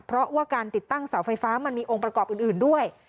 เพราะว่าการติดตั้งเสาไฟฟ้ามันมีองค์ประกอบอื่นด้วย